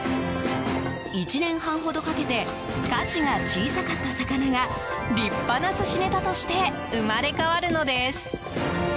１年半ほどかけて価値が小さかった魚が立派な寿司ネタとして生まれ変わるのです。